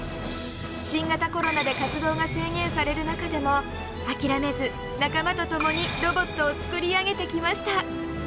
新型コロナで活動が制限される中でもあきらめず仲間とともにロボットを作り上げてきました。